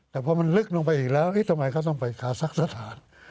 แต่พอมันลึกลงไปอีกแล้วทำไมเขาต้องไปคาซักสถาน